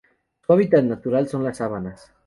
Su hábitat natural son las sabanas.